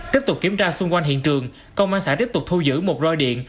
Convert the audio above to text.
tiếp tục kiểm tra xung quanh hiện trường công an xã tiếp tục thu giữ một roi điện